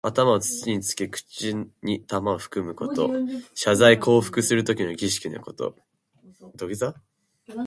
頭を土につけ、口に玉をふくむこと。謝罪降伏するときの儀式のこと。